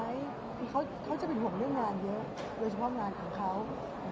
คือเขาจะเป็นห่วงเรื่องงานเยอะโดยเฉพาะงานของเขา